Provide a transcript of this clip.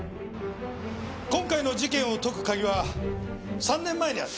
今回の事件を解く鍵は３年前にある。